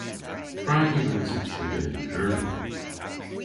Prag y hwre'ta triga yn Kernow?